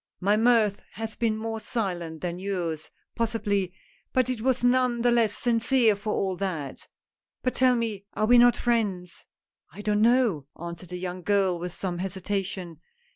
" My mirth has been more silent than yours, possi bly, but it was none the less sincere for all that. But tell me, are we not friends ?"" I don't know," answered the young girl with some hesitation.